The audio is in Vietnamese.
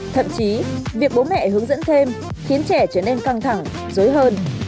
thậm chí việc bố mẹ hướng dẫn thêm khiến trẻ trở nên căng thẳng dối hơn